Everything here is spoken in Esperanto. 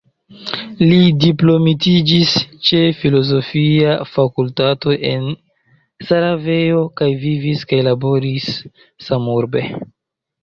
Li diplomitiĝis ĉe filozofia fakultato en Sarajevo kaj vivis kaj laboris samurbe.